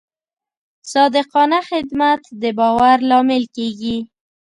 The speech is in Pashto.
صادقانه خدمت د باور لامل کېږي.